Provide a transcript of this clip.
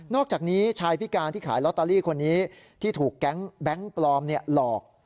อกจากนี้ชายพิการที่ขายลอตเตอรี่คนนี้ที่ถูกแก๊งแบงค์ปลอมหลอก